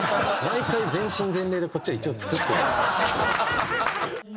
毎回全身全霊でこっちは一応作ってる。